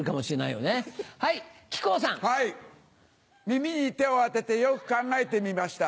耳に手を当ててよく考えてみました。